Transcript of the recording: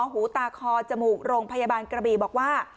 หูตาคอจมูกโรงพยาบาลกระบีบอกว่า